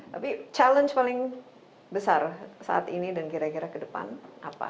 tapi challenge paling besar saat ini dan kira kira ke depan apa